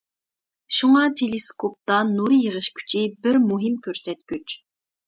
شۇڭا تېلېسكوپتا نۇر يېغىش كۈچى بىر مۇھىم كۆرسەتكۈچ.